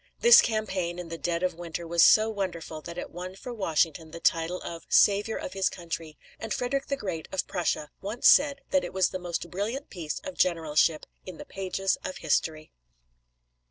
This campaign, in the dead of winter, was so wonderful that it won for Washington the title of "Savior of his Country," and Frederick the Great of Prussia once said that it was the most brilliant piece of generalship in the pages of history.